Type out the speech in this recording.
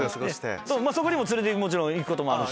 そこにも連れてもちろん行くこともあるし。